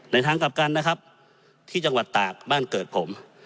ทางกลับกันนะครับที่จังหวัดตากบ้านเกิดผม